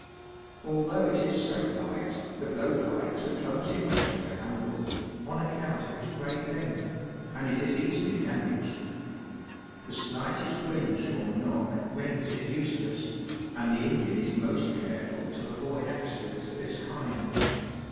Although it is so light, the blow pipe is a clumsy weapon to handle, on account of its great length, and it is easily damaged. The slightest wrench or knock renders it useless ; and the Indian is most careful to avoid accidents of this kind.